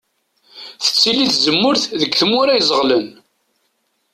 Tettili tzemmurt deg tmura izeɣlen.